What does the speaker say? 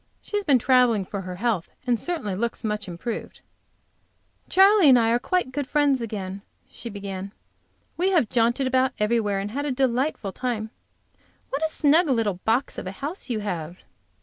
She has been traveling, for her health, and certainly looks much improved. "Charley and I are quite good friends again," she began. "We have jaunted about everywhere, and have a delightful time. What a snug little box of a house you have!"